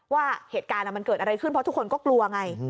ว่าเหตุการณ์มันเกิดอะไรขึ้นเพราะทุกคนก็กลัวไง